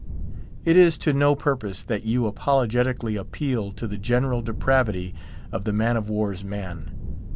It is to no purpose that you apologetically appeal to the general depravity of the man of war's man.